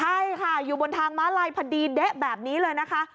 ใช่ค่ะอยู่บนทางม้าลายพอดีเด๊ะแบบนี้เลยนะคะ